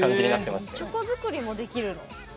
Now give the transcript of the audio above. チョコ作りもできるの？